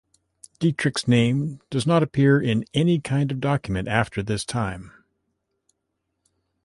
Dietrich's name does not appear in any kind of document after this time.